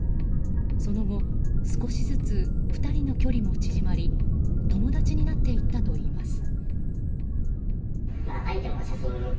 その後、少しずつ２人の距離も縮まり友達になっていったといいます。